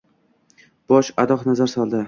Bosh-adoq nazar soldi.